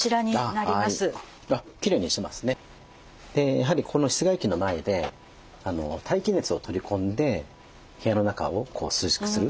やはり室外機の前で大気熱を取り込んで部屋の中を涼しくする。